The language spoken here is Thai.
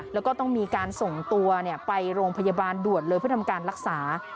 แล้วก็ต้องมีการส่งตัวไปโรงพยาบาลด่วนเลยเพื่อทำการรักษา